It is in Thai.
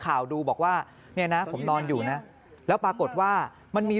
แล้วรู้สึกว่ามีเสียงอะไรมันผ่านหัวไปแวบหนึ่ง